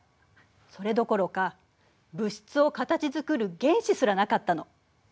それどころか物質を形づくる原子すらなかったの。